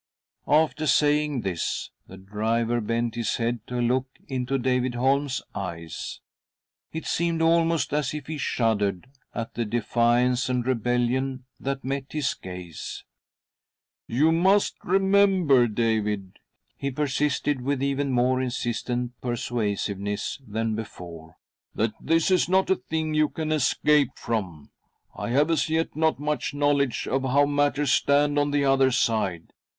After saying this, the driver bent his head to look into David Holm's eyes. It seemed almost as if he shuddered at the defiance and rebellion that met his gaze. THE DEATH CART fl .,■—■: 59 •.'<^" You must remember, David," he persisted, with even more insistent persuasiveness than before, " that this is not a thing you can escape from. I have as yet . not much knowledge of how matters stand on the other side.